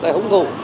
cái húng thù